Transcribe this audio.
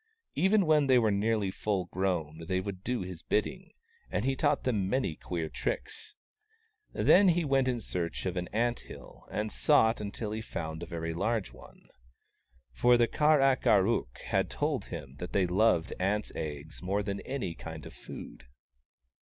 Even when they were nearly full grown they would do his bidding, and he taught them many queer tricks. Then he went in search of an ant hill, and sought until he found a very large one. For the Kar ak ar ook had told him that they loved ants' eggs more than any kind of food.